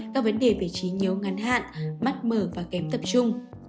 các vấn đề về trí nhớ ngắn hạn mắt mở và kém tập trung